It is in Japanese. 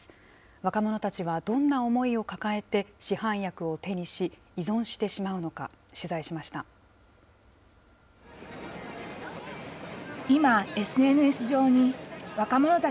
若者たちはどんな思いを抱えて、市販薬を手にし、依存してしまうのか、取材しました。